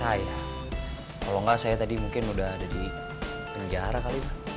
saya kalau nggak saya tadi mungkin udah ada di penjara kali ya